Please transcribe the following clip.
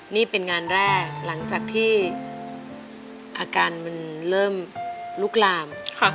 นี่เป็นงานแรกหลังจากที่อาการมันเริ่มลุกลาม